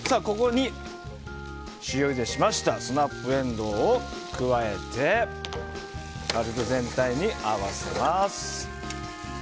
ここに塩ゆでしましたスナップエンドウを加えて軽く全体に合わせます。